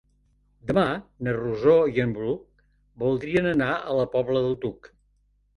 Demà na Rosó i en Bru voldrien anar a la Pobla del Duc.